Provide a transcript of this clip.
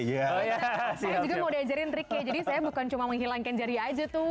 saya juga mau diajarin triknya jadi saya bukan cuma menghilangkan jari aja tuh